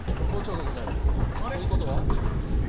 ということは？え？